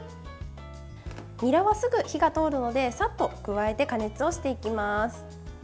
にらは、すぐ火が通るのでさっと加えて加熱をしていきます。